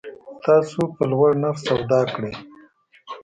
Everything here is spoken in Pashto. تاسو په لوړ نرخ سودا کړی